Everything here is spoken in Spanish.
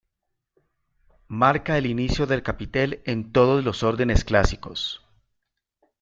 Marca el inicio del capitel en todos los órdenes clásicos.